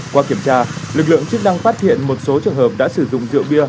qua kiểm tra lực lượng chức năng phát hiện một số trường hợp đã sử dụng rượu bia